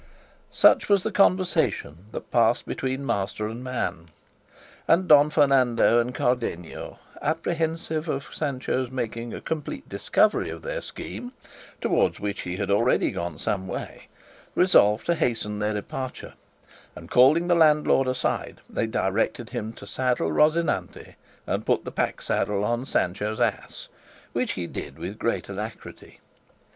Such was the conversation that passed between master and man; and Don Fernando and Cardenio, apprehensive of Sancho's making a complete discovery of their scheme, towards which he had already gone some way, resolved to hasten their departure, and calling the landlord aside, they directed him to saddle Rocinante and put the pack saddle on Sancho's ass, which he did with great alacrity.